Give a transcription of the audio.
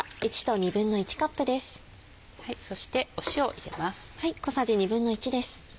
そして塩を入れます。